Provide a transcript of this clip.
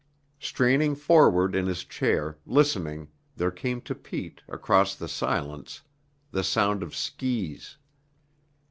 Straining forward in his chair, listening, there came to Pete, across the silence, the sound of skis.